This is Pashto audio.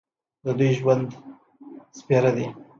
د دوی ژوند سپېره دی.